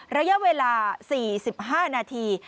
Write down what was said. ระยะเวลา๔๕นาที